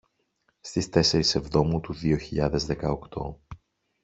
στις τεσσερις εβδόμου του δύο χιλιάδες δέκα οκτώ